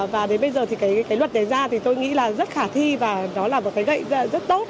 và đến bây giờ thì cái luật đấy ra thì tôi nghĩ là rất khả thi và nó là một cái gậy rất tốt